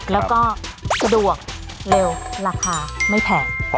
แล้วก็สะดวกเร็วราคาไม่แพง